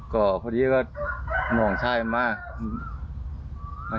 ก็พอดีก็มองชายมา